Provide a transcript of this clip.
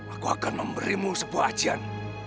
aku akan memberimu sebuah ajian